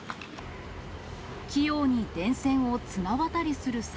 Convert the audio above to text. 器用に電線を綱渡りする猿。